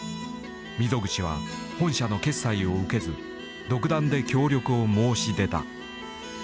溝口は本社の決済を受けず独断で協力を申し出た。